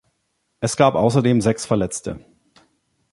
Es gab außerdem sechs Verletzte.